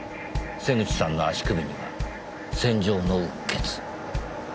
瀬口さんの足首には線状のうっ血。